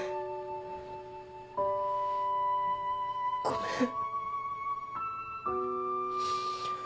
ごめん。